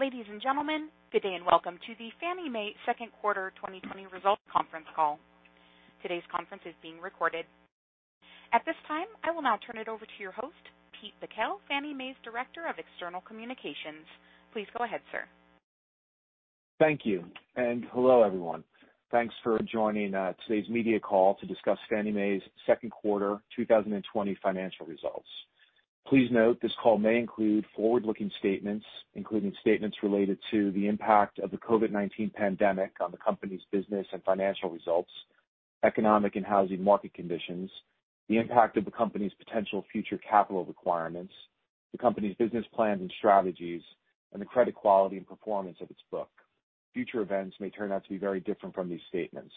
Ladies and gentlemen, good day and welcome to the Fannie Mae Second Quarter 2020 Results Conference Call. Today's conference is being recorded. At this time, I will now turn it over to your host, Pete Bakel, Fannie Mae's Director of External Communications. Please go ahead, sir. Thank you. Hello, everyone. Thanks for joining today's media call to discuss Fannie Mae's Second Quarter 2020 Financial Results. Please note, this call may include forward-looking statements, including statements related to the impact of the COVID-19 pandemic on the company's business and financial results, economic and housing market conditions, the impact of the company's potential future capital requirements, the company's business plans and strategies, and the credit quality and performance of its book. Future events may turn out to be very different from these statements.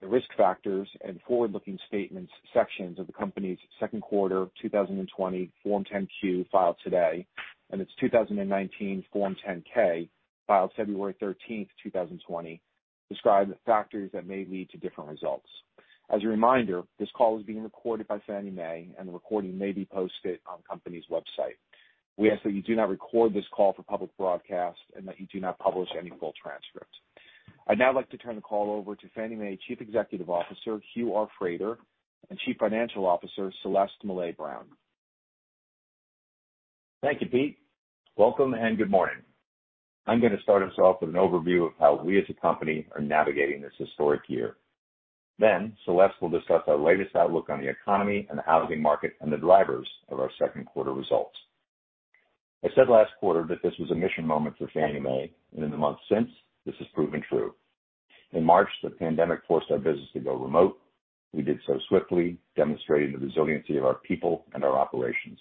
The Risk Factors and Forward-Looking Statements sections of the company's second quarter 2020 Form 10-Q filed today, and its 2019 Form 10-K, filed February 13th, 2020, describe factors that may lead to different results. As a reminder, this call is being recorded by Fannie Mae, and the recording may be posted on the company's website. We ask that you do not record this call for public broadcast, and that you do not publish any full transcript. I'd now like to turn the call over to Fannie Mae Chief Executive Officer, Hugh R. Frater, and Chief Financial Officer, Celeste Mellet Brown. Thank you, Pete. Welcome and good morning. I'm going to start us off with an overview of how we as a company are navigating this historic year. Celeste will discuss our latest outlook on the economy and the housing market, and the drivers of our second quarter results. I said last quarter that this was a mission moment for Fannie Mae, and in the months since, this has proven true. In March, the pandemic forced our business to go remote. We did so swiftly, demonstrating the resiliency of our people and our operations.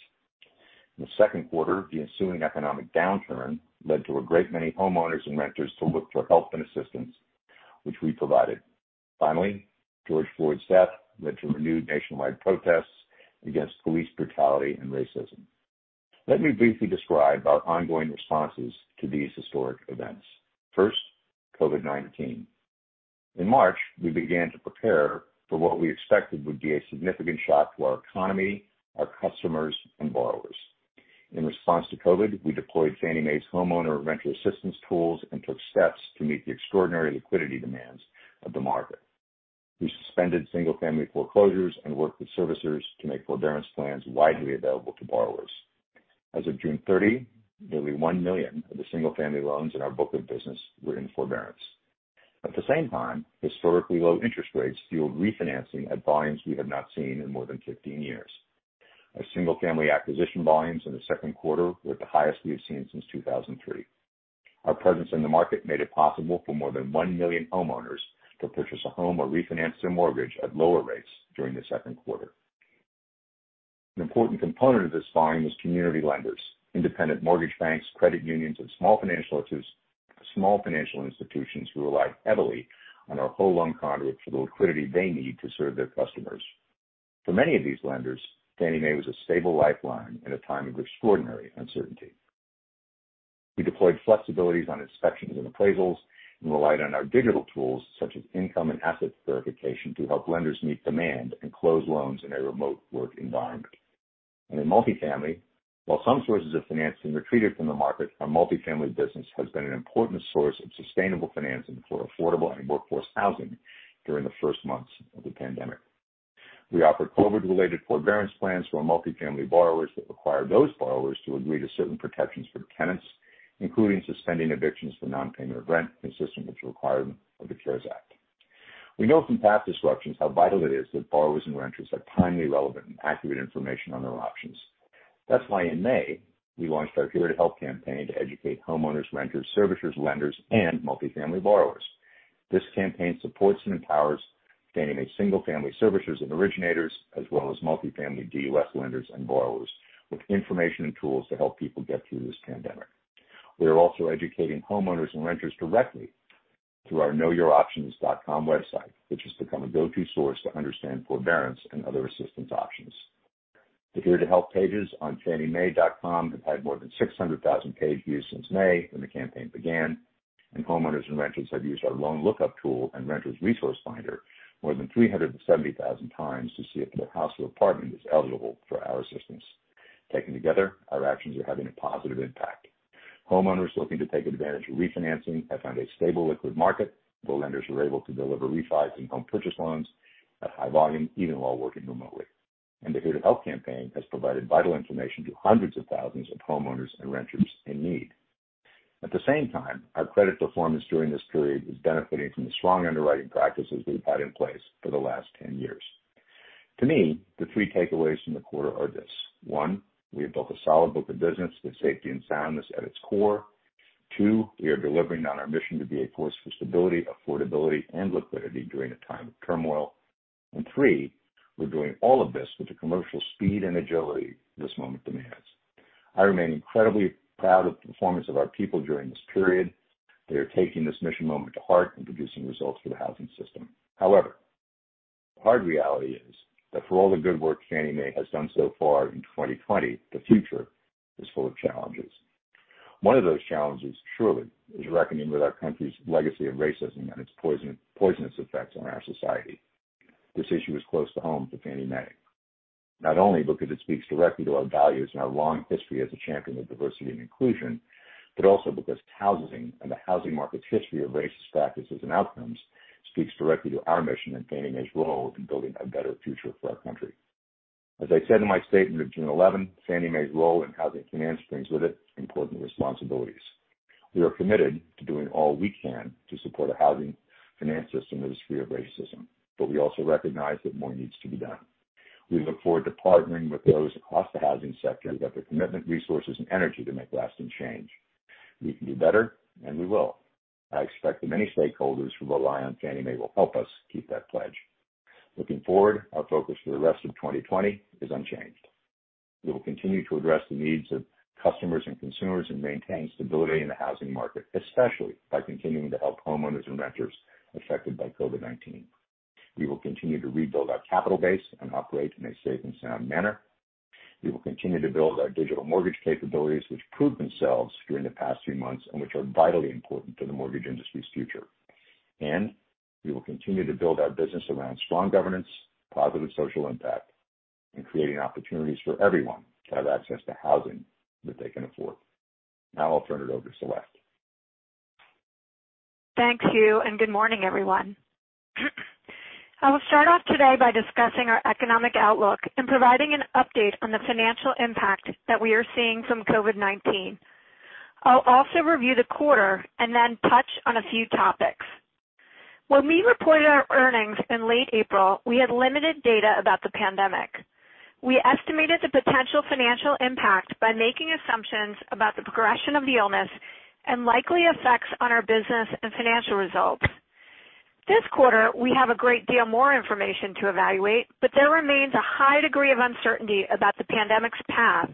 In the second quarter, the ensuing economic downturn led to a great many homeowners and renters to look for help and assistance, which we provided. George Floyd's death led to renewed nationwide protests against police brutality and racism. Let me briefly describe our ongoing responses to these historic events. First, COVID-19. In March, we began to prepare for what we expected would be a significant shock to our economy, our customers, and borrowers. In response to COVID-19, we deployed Fannie Mae's homeowner and renter assistance tools and took steps to meet the extraordinary liquidity demands of the market. We suspended single-family foreclosures and worked with servicers to make forbearance plans widely available to borrowers. As of June 30, nearly 1 million of the single-family loans in our book of business were in forbearance. At the same time, historically low interest rates fueled refinancing at volumes we have not seen in more than 15 years. Our single-family acquisition volumes in the second quarter were at the highest we have seen since 2003. Our presence in the market made it possible for more than 1 million homeowners to purchase a home or refinance their mortgage at lower rates during the second quarter. An important component of this volume was community lenders, independent mortgage banks, credit unions, and small financial institutions who relied heavily on our whole loan conduit for the liquidity they need to serve their customers. For many of these lenders, Fannie Mae was a stable lifeline in a time of extraordinary uncertainty. We deployed flexibilities on inspections and appraisals and relied on our digital tools, such as income and asset verification, to help lenders meet demand and close loans in a remote work environment. In multifamily, while some sources of financing retreated from the market, our multifamily business has been an important source of sustainable financing for affordable and workforce housing during the first months of the pandemic. We offered COVID-related forbearance plans for our multifamily borrowers that require those borrowers to agree to certain protections for tenants, including suspending evictions for non-payment of rent, consistent with the requirement of the CARES Act. We know from past disruptions how vital it is that borrowers and renters have timely, relevant, and accurate information on their options. That's why in May, we launched our Here to Help campaign to educate homeowners, renters, servicers, lenders, and multifamily borrowers. This campaign supports and empowers Fannie Mae single-family servicers and originators, as well as multifamily DUS lenders and borrowers with information and tools to help people get through this pandemic. We are also educating homeowners and renters directly through our knowyouroptions.com website, which has become a go-to source to understand forbearance and other assistance options. The Here to Help pages on fanniemae.com have had more than 600,000 page views since May when the campaign began, and homeowners and renters have used our loan lookup tool and renters resource finder more than 370,000 times to see if their house or apartment is eligible for our assistance. Taken together, our actions are having a positive impact. Homeowners looking to take advantage of refinancing have found a stable liquid market, while lenders were able to deliver refis and home purchase loans at high volume, even while working remotely. The Here to Help campaign has provided vital information to hundreds of thousands of homeowners and renters in need. At the same time, our credit performance during this period is benefiting from the strong underwriting practices we've had in place for the last 10 years. To me, the three takeaways from the quarter are this. One, we have built a solid book of business with safety and soundness at its core. Two, we are delivering on our mission to be a force for stability, affordability, and liquidity during a time of turmoil. Three, we're doing all of this with the commercial speed and agility this moment demands. I remain incredibly proud of the performance of our people during this period. They are taking this mission moment to heart and producing results for the housing system. However, the hard reality is that for all the good work Fannie Mae has done so far in 2020, the future is full of challenges. One of those challenges, surely, is reckoning with our country's legacy of racism and its poisonous effects on our society. This issue is close to home for Fannie Mae, not only because it speaks directly to our values and our long history as a champion of diversity and inclusion, but also because housing and the housing market's history of racist practices and outcomes speaks directly to our mission and Fannie Mae's role in building a better future for our country. As I said in my statement of June 11, Fannie Mae's role in housing finance brings with it important responsibilities. We are committed to doing all we can to support a housing finance system that is free of racism, but we also recognize that more needs to be done. We look forward to partnering with those across the housing sector that the commitment, resources, and energy to make lasting change. We can do better, and we will. I expect the many stakeholders who rely on Fannie Mae will help us keep that pledge. Looking forward, our focus for the rest of 2020 is unchanged. We will continue to address the needs of customers and consumers and maintain stability in the housing market, especially by continuing to help homeowners and renters affected by COVID-19. We will continue to rebuild our capital base and operate in a safe and sound manner. We will continue to build our digital mortgage capabilities, which proved themselves during the past few months and which are vitally important to the mortgage industry's future. We will continue to build our business around strong governance, positive social impact, and creating opportunities for everyone to have access to housing that they can afford. Now I'll turn it over to Celeste. Thank you. Good morning, everyone. I will start off today by discussing our economic outlook and providing an update on the financial impact that we are seeing from COVID-19. I'll also review the quarter and then touch on a few topics. When we reported our earnings in late April, we had limited data about the pandemic. We estimated the potential financial impact by making assumptions about the progression of the illness and likely effects on our business and financial results. This quarter, we have a great deal more information to evaluate, but there remains a high degree of uncertainty about the pandemic's path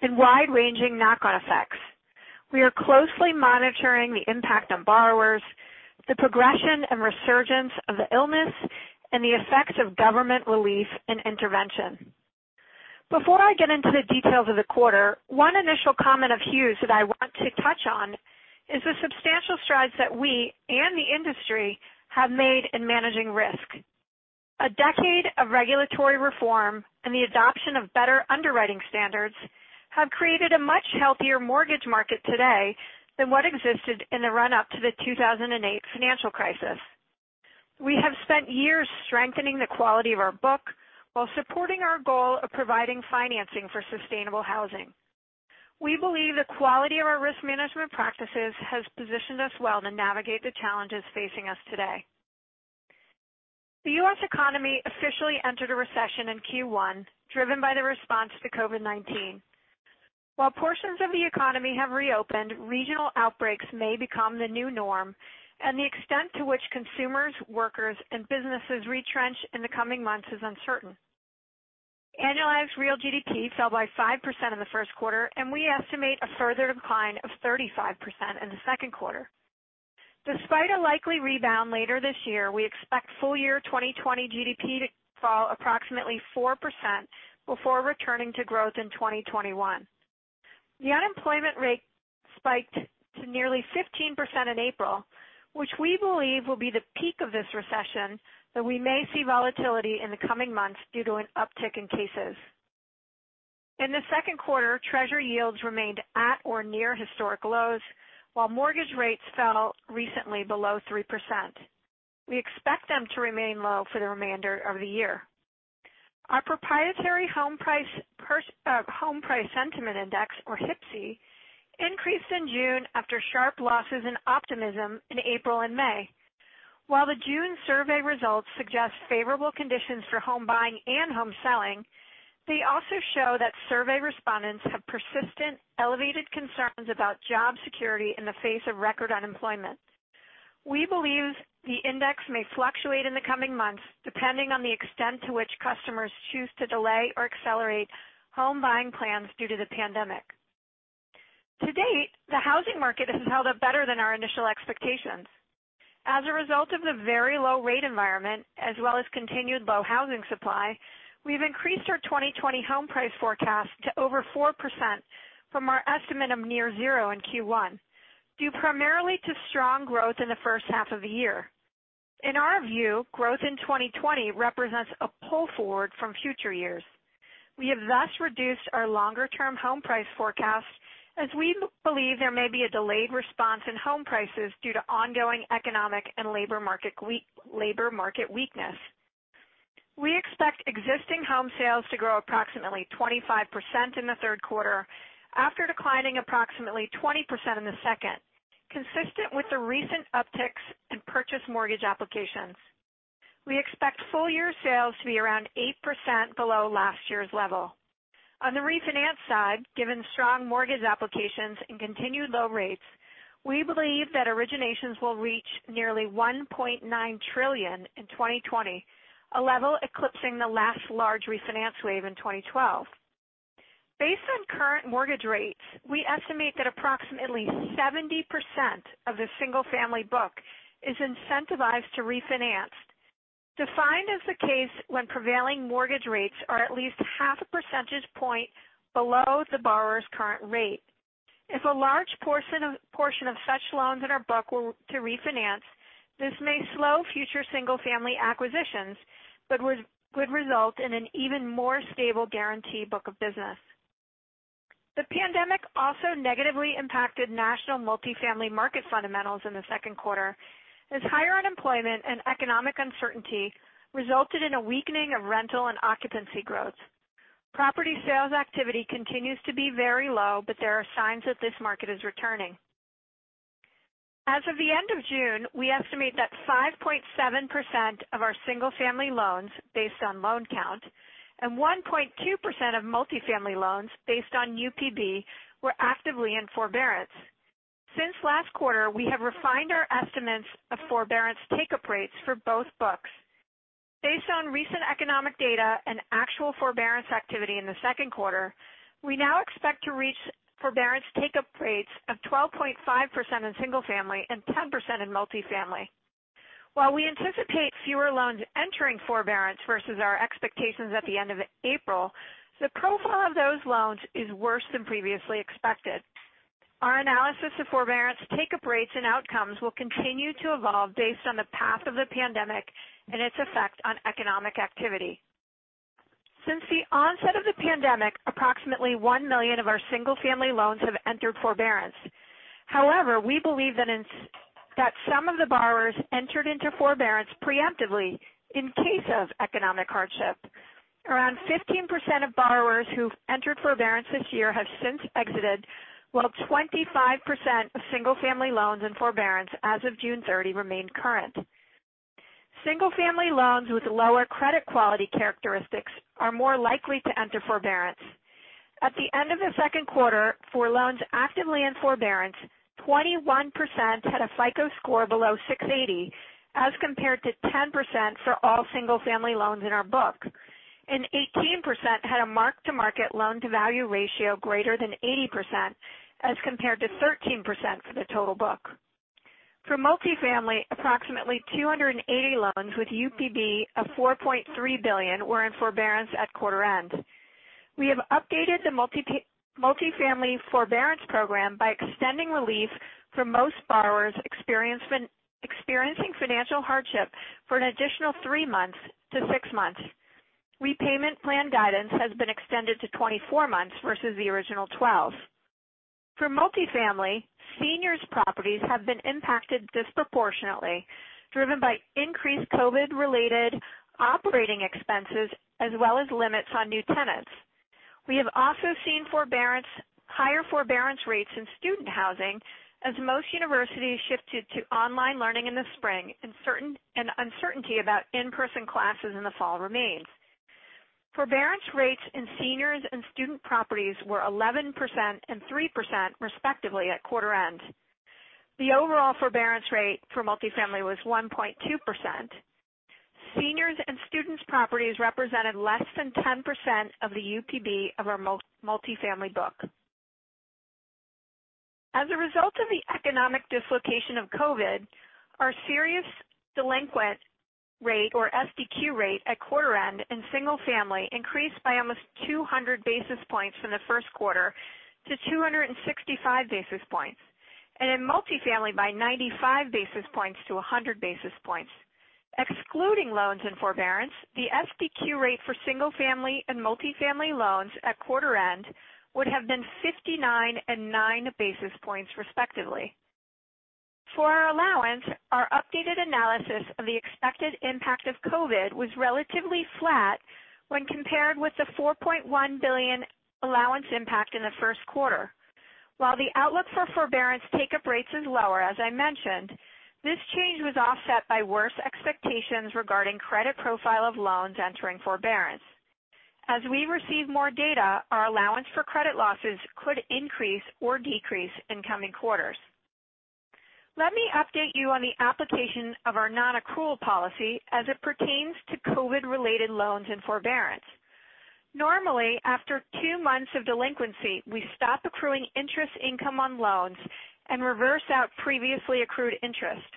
and wide-ranging knock-on effects. We are closely monitoring the impact on borrowers, the progression and resurgence of the illness, and the effects of government relief and intervention. Before I get into the details of the quarter, one initial comment of Hugh's that I want to touch on is the substantial strides that we and the industry have made in managing risk. A decade of regulatory reform and the adoption of better underwriting standards have created a much healthier mortgage market today than what existed in the run-up to the 2008 financial crisis. We have spent years strengthening the quality of our book while supporting our goal of providing financing for sustainable housing. We believe the quality of our risk management practices has positioned us well to navigate the challenges facing us today. The U.S. economy officially entered a recession in Q1, driven by the response to COVID-19. While portions of the economy have reopened, regional outbreaks may become the new norm, and the extent to which consumers, workers, and businesses retrench in the coming months is uncertain. Annualized real GDP fell by 5% in the first quarter, and we estimate a further decline of 35% in the second quarter. Despite a likely rebound later this year, we expect full-year 2020 GDP to fall approximately 4% before returning to growth in 2021. The unemployment rate spiked to nearly 15% in April, which we believe will be the peak of this recession, though we may see volatility in the coming months due to an uptick in cases. In the second quarter, Treasury yields remained at or near historic lows, while mortgage rates fell recently below 3%. We expect them to remain low for the remainder of the year. Our proprietary Home Purchase Sentiment Index, or HPSI, increased in June after sharp losses in optimism in April and May. While the June survey results suggest favorable conditions for home buying and home selling, they also show that survey respondents have persistent elevated concerns about job security in the face of record unemployment. We believe the index may fluctuate in the coming months, depending on the extent to which customers choose to delay or accelerate home buying plans due to the pandemic. To date, the housing market has held up better than our initial expectations. As a result of the very low rate environment as well as continued low housing supply, we've increased our 2020 home price forecast to over 4% from our estimate of near zero in Q1, due primarily to strong growth in the first half of the year. In our view, growth in 2020 represents a pull forward from future years. We have thus reduced our longer-term home price forecast as we believe there may be a delayed response in home prices due to ongoing economic and labor market weakness. We expect existing home sales to grow approximately 25% in the third quarter after declining approximately 20% in the second, consistent with the recent upticks in purchase mortgage applications. We expect full-year sales to be around 8% below last year's level. On the refinance side, given strong mortgage applications and continued low rates, we believe that originations will reach nearly $1.9 trillion in 2020, a level eclipsing the last large refinance wave in 2012. Based on current mortgage rates, we estimate that approximately 70% of the single-family book is incentivized to refinance. Defined as the case when prevailing mortgage rates are at least half a percentage point below the borrower's current rate. If a large portion of such loans in our book were to refinance, this may slow future single-family acquisitions, but would result in an even more stable guarantee book of business. The pandemic also negatively impacted national multifamily market fundamentals in the second quarter, as higher unemployment and economic uncertainty resulted in a weakening of rental and occupancy growth. Property sales activity continues to be very low, there are signs that this market is returning. As of the end of June, we estimate that 5.7% of our single-family loans, based on loan count, and 1.2% of multifamily loans, based on UPB, were actively in forbearance. Since last quarter, we have refined our estimates of forbearance take-up rates for both books. Based on recent economic data and actual forbearance activity in the second quarter, we now expect to reach forbearance take-up rates of 12.5% in single family and 10% in multifamily. While we anticipate fewer loans entering forbearance versus our expectations at the end of April, the profile of those loans is worse than previously expected. Our analysis of forbearance take-up rates and outcomes will continue to evolve based on the path of the pandemic and its effect on economic activity. Since the onset of the pandemic, approximately 1 million of our single family loans have entered forbearance. However, we believe that some of the borrowers entered into forbearance preemptively in case of economic hardship. Around 15% of borrowers who've entered forbearance this year have since exited, while 25% of single family loans in forbearance as of June 30 remained current. Single family loans with lower credit quality characteristics are more likely to enter forbearance. At the end of the second quarter, for loans actively in forbearance, 21% had a FICO score below 680, as compared to 10% for all single family loans in our book, and 18% had a mark-to-market loan-to-value ratio greater than 80%, as compared to 13% for the total book. For multifamily, approximately 280 loans with UPB of $4.3 billion were in forbearance at quarter end. We have updated the multifamily forbearance program by extending relief for most borrowers experiencing financial hardship for an additional three months to six months. Repayment plan guidance has been extended to 24 months versus the original 12. For multifamily, seniors properties have been impacted disproportionately, driven by increased COVID-related operating expenses as well as limits on new tenants. We have also seen higher forbearance rates in student housing as most universities shifted to online learning in the spring and uncertainty about in-person classes in the fall remains. Forbearance rates in seniors and student properties were 11% and 3%, respectively, at quarter end. The overall forbearance rate for multifamily was 1.2%. Seniors and students properties represented less than 10% of the UPB of our multifamily book. As a result of the economic dislocation of COVID, our serious delinquent rate, or SDQ rate at quarter end in single family increased by almost 200 basis points from the first quarter to 265 basis points. In multifamily by 95 basis points to 100 basis points. Excluding loans in forbearance, the SDQ rate for single family and multifamily loans at quarter end would have been 59 and 9 basis points, respectively. For our allowance, our updated analysis of the expected impact of COVID was relatively flat when compared with the $4.1 billion allowance impact in the first quarter. While the outlook for forbearance take-up rates is lower, as I mentioned, this change was offset by worse expectations regarding credit profile of loans entering forbearance. As we receive more data, our allowance for credit losses could increase or decrease in coming quarters. Let me update you on the application of our non-accrual policy as it pertains to COVID-related loans and forbearance. Normally, after two months of delinquency, we stop accruing interest income on loans and reverse out previously accrued interest.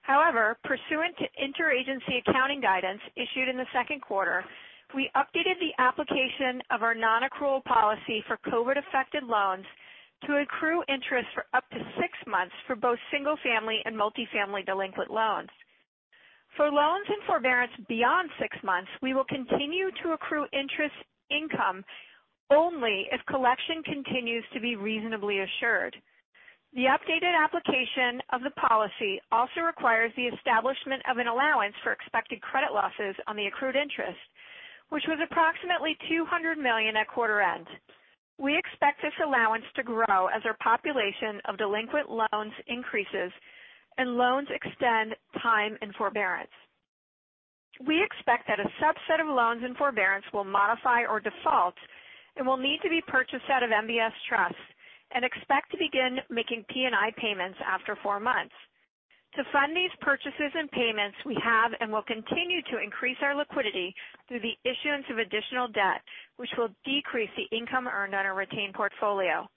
However, pursuant to inter-agency accounting guidance issued in the second quarter, we updated the application of our non-accrual policy for COVID-affected loans to accrue interest for up to six months for both single family and multifamily delinquent loans. For loans in forbearance beyond six months, we will continue to accrue interest income only if collection continues to be reasonably assured. The updated application of the policy also requires the establishment of an allowance for expected credit losses on the accrued interest, which was approximately $200 million at quarter end. We expect this allowance to grow as our population of delinquent loans increases and loans extend time in forbearance. We expect that a subset of loans in forbearance will modify or default and will need to be purchased out of MBS trusts, and expect to begin making P&I payments after four months. To fund these purchases and payments, we have and will continue to increase our liquidity through the issuance of additional debt, which will decrease the income earned on our retained portfolio.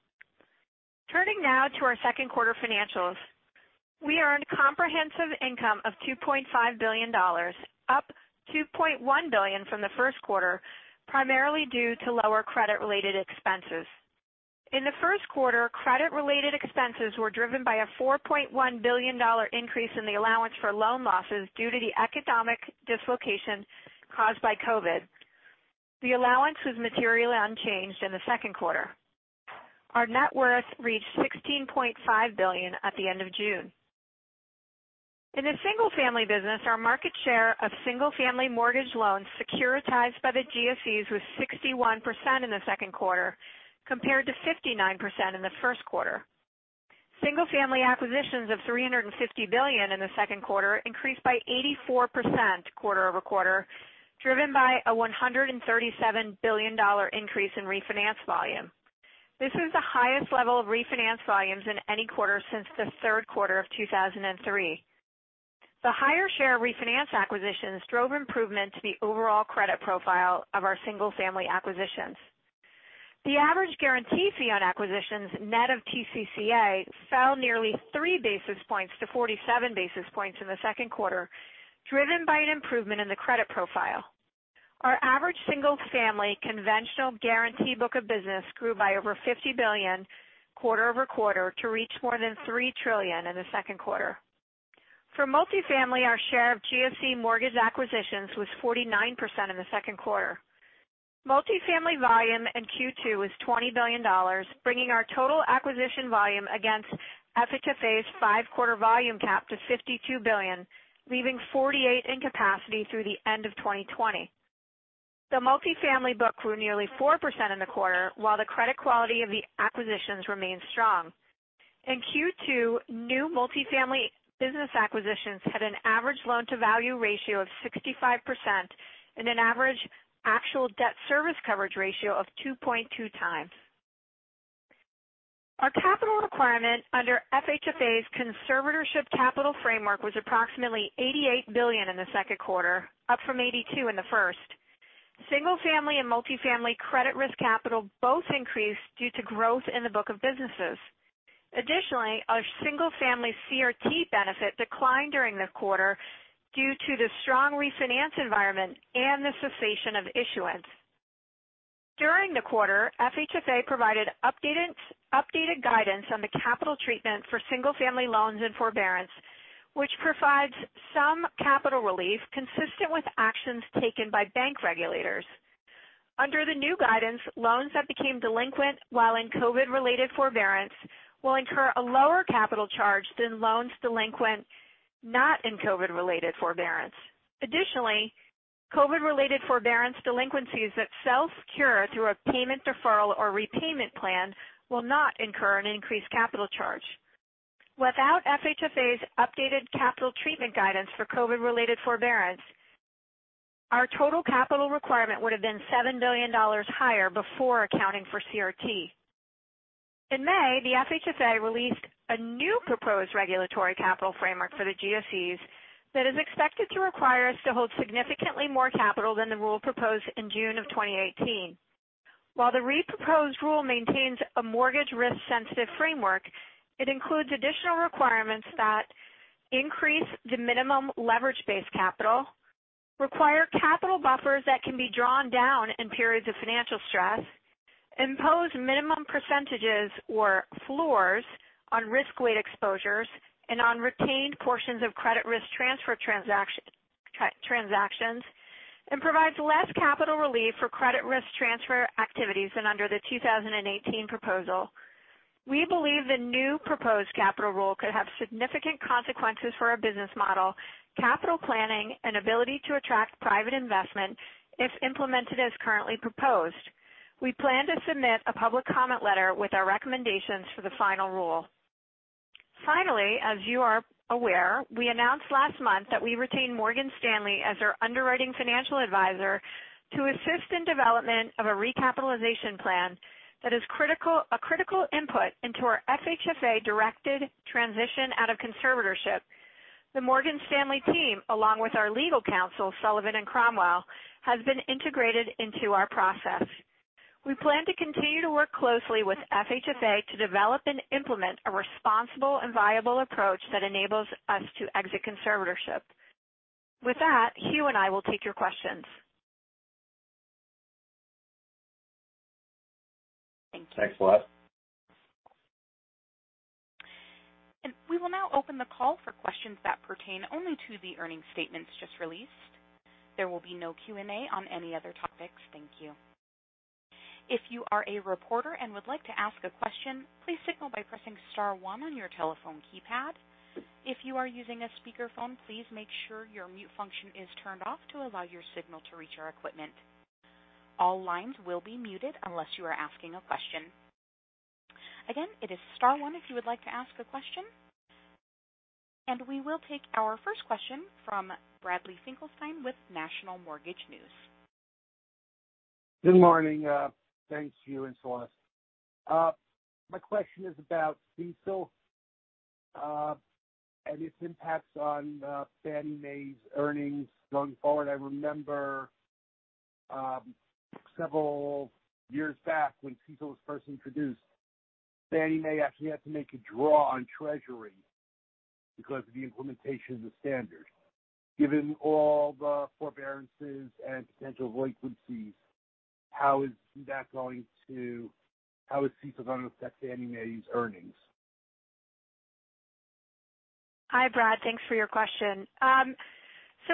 Turning now to our second quarter financials. We earned comprehensive income of $2.5 billion, up $2.1 billion from the first quarter, primarily due to lower credit-related expenses. In the first quarter, credit-related expenses were driven by a $4.1 billion increase in the allowance for loan losses due to the economic dislocation caused by COVID. The allowance was materially unchanged in the second quarter. Our net worth reached $16.5 billion at the end of June. In the single-family business, our market share of single-family mortgage loans securitized by the GSEs was 61% in the second quarter, compared to 59% in the first quarter. Single-family acquisitions of $350 billion in the second quarter increased by 84% quarter-over-quarter, driven by a $137 billion increase in refinance volume. This is the highest level of refinance volumes in any quarter since the third quarter of 2003. The higher share of refinance acquisitions drove improvement to the overall credit profile of our single-family acquisitions. The average guarantee fee on acquisitions, net of TCCA, fell nearly 3 basis points to 47 basis points in the second quarter, driven by an improvement in the credit profile. Our average single-family conventional guarantee book of business grew by over $50 billion quarter-over-quarter to reach more than $3 trillion in the second quarter. For multifamily, our share of GSE mortgage acquisitions was 49% in the second quarter. Multifamily volume in Q2 was $20 billion, bringing our total acquisition volume against FHFA's five-quarter volume cap to $52 billion, leaving $48 billion in capacity through the end of 2020. The multifamily book grew nearly 4% in the quarter, while the credit quality of the acquisitions remained strong. In Q2, new multifamily business acquisitions had an average loan-to-value ratio of 65% and an average actual debt service coverage ratio of 2.2x. Our capital requirement under FHFA's conservatorship capital framework was approximately $88 billion in the second quarter, up from $82 billion in the first. Single-family and multifamily credit risk capital both increased due to growth in the book of businesses. Additionally, our single-family CRT benefit declined during the quarter due to the strong refinance environment and the cessation of issuance. During the quarter, FHFA provided updated guidance on the capital treatment for single-family loans and forbearance, which provides some capital relief consistent with actions taken by bank regulators. Under the new guidance, loans that became delinquent while in COVID-related forbearance will incur a lower capital charge than loans delinquent not in COVID-related forbearance. Additionally, COVID-related forbearance delinquencies that self-cure through a payment deferral or repayment plan will not incur an increased capital charge. Without FHFA's updated capital treatment guidance for COVID-related forbearance, our total capital requirement would have been $7 billion higher before accounting for CRT. In May, the FHFA released a new proposed regulatory capital framework for the GSEs that is expected to require us to hold significantly more capital than the rule proposed in June of 2018. While the re-proposed rule maintains a mortgage risk-sensitive framework, it includes additional requirements that increase the minimum leverage-based capital, require capital buffers that can be drawn down in periods of financial stress, impose minimum percentages or floors on risk-weight exposures and on retained portions of credit risk transfer transactions, and provides less capital relief for credit risk transfer activities than under the 2018 proposal. We believe the new proposed capital rule could have significant consequences for our business model, capital planning, and ability to attract private investment if implemented as currently proposed. We plan to submit a public comment letter with our recommendations for the final rule. Finally, as you are aware, we announced last month that we retained Morgan Stanley as our underwriting financial advisor to assist in development of a recapitalization plan that is a critical input into our FHFA-directed transition out of conservatorship. The Morgan Stanley team, along with our legal counsel, Sullivan & Cromwell, has been integrated into our process. We plan to continue to work closely with FHFA to develop and implement a responsible and viable approach that enables us to exit conservatorship. With that, Hugh and I will take your questions. Thanks a lot. We will now open the call for questions that pertain only to the earnings statements just released. There will be no Q&A on any other topics. Thank you. If you are a reporter and would like to ask a question, please signal by pressing star one on your telephone keypad. If you are using a speakerphone, please make sure your mute function is turned off to allow your signal to reach our equipment. All lines will be muted unless you are asking a question. Again, it is star one if you would like to ask a question. We will take our first question from Bradley Finkelstein with National Mortgage News. Good morning. Thanks, Hugh and Celeste. My question is about CECL. Its impacts on Fannie Mae's earnings going forward. I remember several years back when CECL was first introduced, Fannie Mae actually had to make a draw on Treasury because of the implementation of the standard. Given all the forbearances and potential delinquencies, how is CECL going to affect Fannie Mae's earnings? Hi, Brad. Thanks for your question.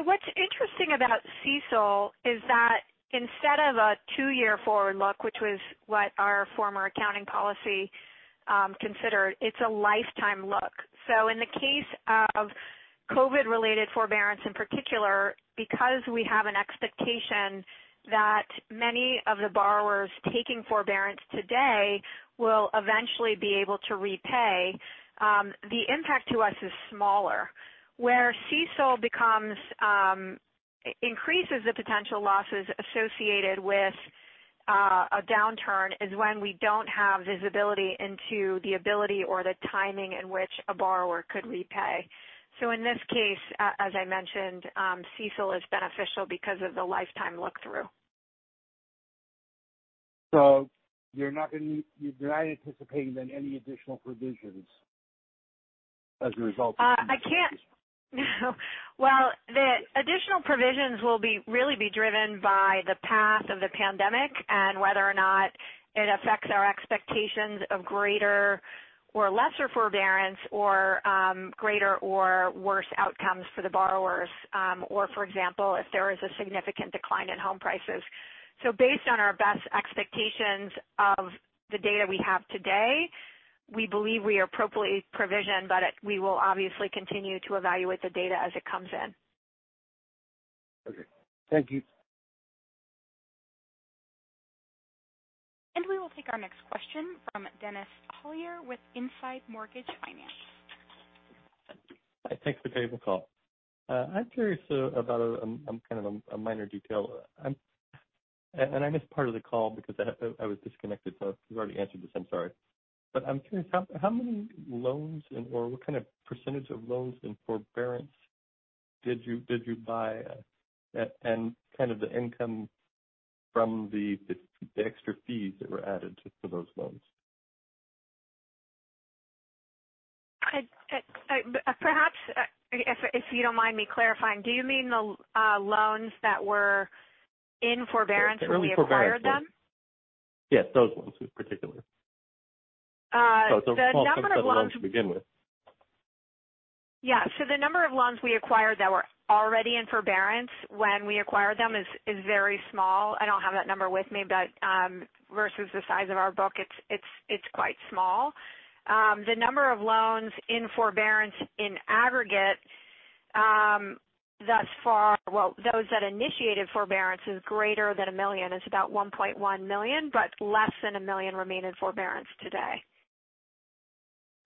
What's interesting about CECL is that instead of a two-year forward look, which was what our former accounting policy considered, it's a lifetime look. In the case of COVID-related forbearance in particular, because we have an expectation that many of the borrowers taking forbearance today will eventually be able to repay, the impact to us is smaller. Where CECL increases the potential losses associated with a downturn is when we don't have visibility into the ability or the timing in which a borrower could repay. In this case, as I mentioned, CECL is beneficial because of the lifetime look-through. You're not anticipating, then, any additional provisions as a result of. Well, the additional provisions will really be driven by the path of the pandemic and whether or not it affects our expectations of greater or lesser forbearance or greater or worse outcomes for the borrowers. For example, if there is a significant decline in home prices. Based on our best expectations of the data we have today, we believe we are appropriately provisioned. We will obviously continue to evaluate the data as it comes in. Okay. Thank you. We will take our next question from Dennis Hollier with Inside Mortgage Finance. Hi. Thanks for taking the call. I'm curious about kind of a minor detail. I missed part of the call because I was disconnected, so if you've already answered this, I'm sorry. I'm curious, how many loans or what kind of percentage of loans in forbearance did you buy, and kind of the income from the extra fees that were added to those loans? Perhaps, if you don't mind me clarifying, do you mean the loans that were in forbearance when we acquired them? Yes, those loans in particular. What percentage of loans to begin with? The number of loans we acquired that were already in forbearance when we acquired them is very small. I don't have that number with me, but versus the size of our book, it's quite small. The number of loans in forbearance in aggregate thus far, well, those that initiated forbearance, is greater than 1 million. It's about 1.1 million, but less than 1 million remain in forbearance today.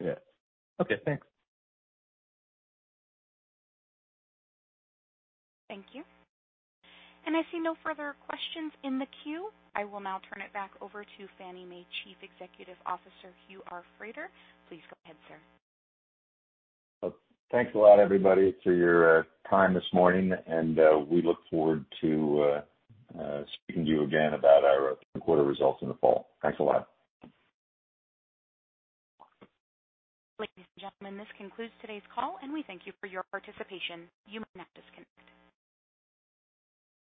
Yeah. Okay, thanks. Thank you. I see no further questions in the queue. I will now turn it back over to Fannie Mae Chief Executive Officer, Hugh R. Frater. Please go ahead, sir. Thanks a lot, everybody, for your time this morning. We look forward to speaking to you again about our third quarter results in the fall. Thanks a lot. Ladies and gentlemen, this concludes today's call. We thank you for your participation. You may now disconnect.